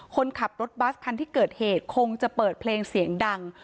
คนขับรถบัสคันที่เกิดเหตุคงจะเปิดเพลงเสียงดัง